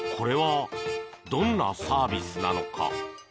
これは、どんなサービスなのか。